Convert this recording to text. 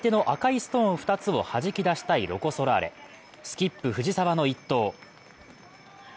スキップ・藤澤の一投。